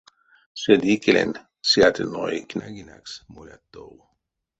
Седикелень сиятельной княгинякс молят тов.